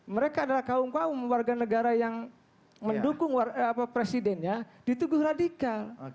mereka adalah kaum kaum warga negara yang mendukung presidennya di tubuh radikal